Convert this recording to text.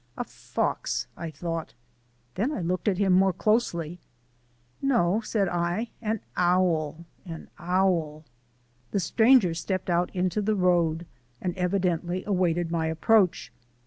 "A fox!" I thought. Then I looked at him more closely. "No," said I, "an owl, an owl!" The stranger stepped out into the road and evidently awaited my approach.